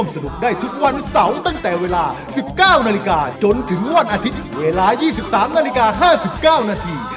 สนุกได้ทุกวันเสาร์ตั้งแต่เวลา๑๙นาฬิกาจนถึงวันอาทิตย์เวลา๒๓นาฬิกา๕๙นาที